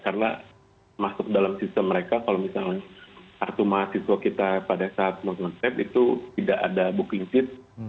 karena masuk dalam sistem mereka kalau misalnya artu mahasiswa kita pada saat mau menge trap itu tidak ada booking seat